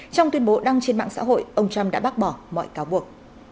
trong tuyên bố đăng trên mạng xã hội ông trump đã bác bỏ mọi cáo buộc